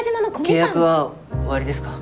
契約は終わりですか？